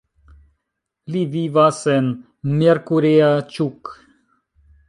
Li vivas en Miercurea Ciuc.